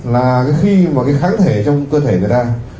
là khi mà cái kháng thể trong cơ thể người ta